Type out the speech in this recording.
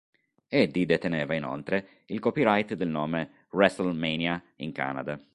Eddie deteneva inoltre il copyright del nome "WrestleMania" in Canada.